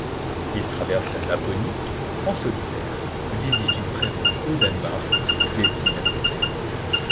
Il traverse la Laponie en solitaire, visite une prison au Danemark, dessine à Copenhague.